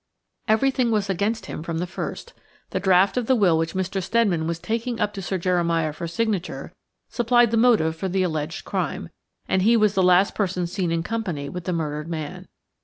Everything was against him from the first. The draft of the will which Mr. Steadman was taking up to Sir Jeremiah for signature supplied the motive for the alleged crime, and he was the last person seen in company with the murdered man.